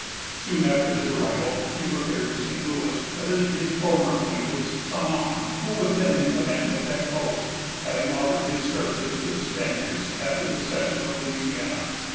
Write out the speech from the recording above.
Soon after his arrival, he repaired to St. Louis, to visit his former acquaintance, St. Ange, who was then in command at that post, having offered his services to the Spaniards after the cession of Louisiana.